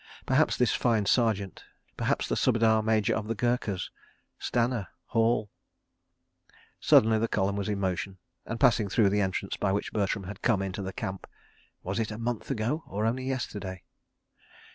Perhaps this fine Sergeant, perhaps the Subedar Major of the Gurkhas? Stanner? Hall? ... Suddenly the column was in motion and passing through the entrance by which Bertram had come into the Camp—was it a month ago or only yesterday?